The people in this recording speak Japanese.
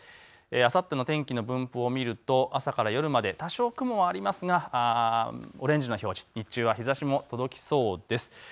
あさっての天気の分布を見ると朝から夜まで多少雲はありますがオレンジの表示、日中は日ざしも届きそうです。